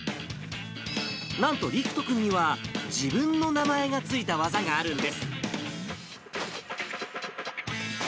なんと陸人君には、自分の名前が付いた技があるんです。